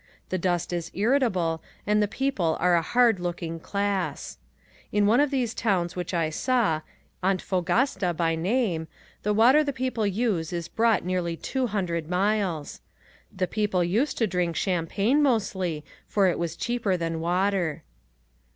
The dust is irritable and the people are a hard looking class. In one of these towns which I saw, Antofagasta by name, the water the people use is brought nearly two hundred miles. The people used to drink champagne mostly for it was cheaper than water.